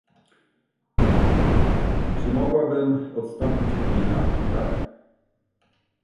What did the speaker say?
Czy mogłabym odstąpić Emila? Tak.